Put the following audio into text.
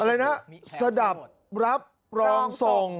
อะไรนะสะดับรับรองส่ง